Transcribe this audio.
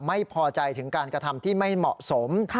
ไม่พอใจถึงการกระทำที่ไม่เหมาะสม